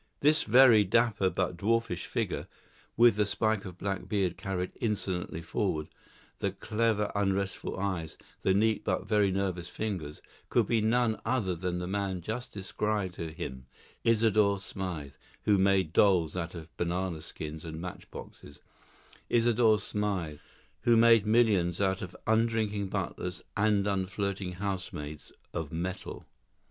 This very dapper but dwarfish figure, with the spike of black beard carried insolently forward, the clever unrestful eyes, the neat but very nervous fingers, could be none other than the man just described to him: Isidore Smythe, who made dolls out of banana skins and match boxes; Isidore Smythe, who made millions out of undrinking butlers and unflirting housemaids of metal.